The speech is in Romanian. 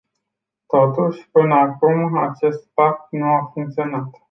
Totuși, până acum, acest pact nu a funcționat.